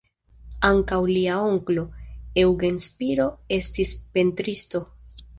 Ankaŭ lia onklo, Eugen Spiro estis pentristo.